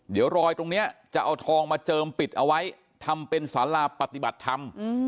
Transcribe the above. เดี๋ยวรอยตรงนี้จะเอาทองมาเจิมปิดเอาไว้ทำเป็นสาราปฏิบัติธรรม